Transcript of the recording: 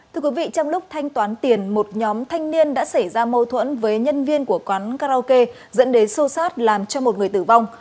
thưa quý vị trong lúc thanh toán tiền một nhóm thanh niên đã xảy ra mâu thuẫn với nhân viên của quán karaoke dẫn đến sâu sát làm cho một người tử vong